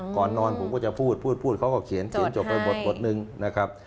ก่อนนอนผมก็จะพูดพูดเขาก็เขียนเขียนจบไปบทนึงนะครับ